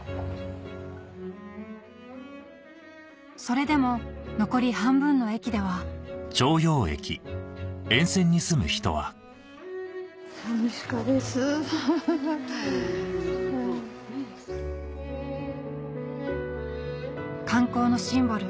それでも残り半分の駅では観光のシンボル